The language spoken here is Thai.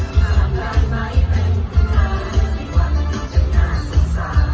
สามารถได้ไหมเป็นคุณนายในวันที่จะน่าสุขสาว